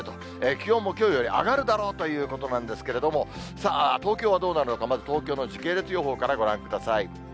気温もきょうより上がるだろうということなんですけれども、さあ、東京はどうなるのか、まず東京の時系列予報からご覧ください。